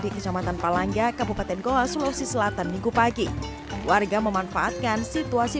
di kecamatan palangga kabupaten goa sulawesi selatan minggu pagi warga memanfaatkan situasi